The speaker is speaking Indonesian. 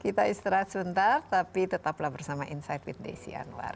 kita istirahat sebentar tapi tetaplah bersama insight with desi anwar